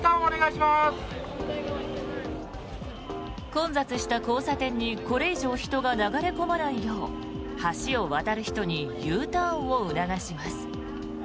混雑した交差点にこれ以上、人が流れ込まないよう橋を渡る人にＵターンを促します。